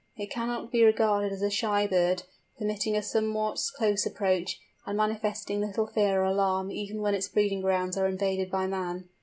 It cannot be regarded as a shy bird, permitting a somewhat close approach, and manifesting little fear or alarm even when its breeding grounds are invaded by man.